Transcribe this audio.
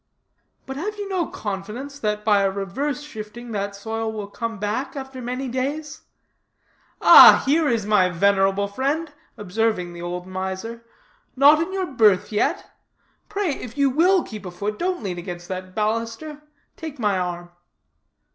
"But have you no confidence that by a reverse shifting that soil will come back after many days? ah, here is my venerable friend," observing the old miser, "not in your berth yet? Pray, if you will keep afoot, don't lean against that baluster; take my arm."